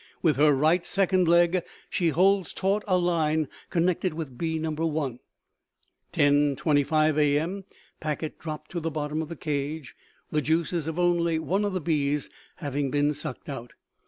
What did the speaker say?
With her right second leg she holds taut a line connected with bee No. 1. "10:25 A.M.; packet dropped to the bottom of the cage, the juices of only one of the bees having been sucked out.